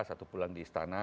atau pulang di istana